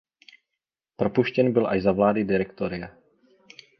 Propuštěn byl až za vlády Direktoria.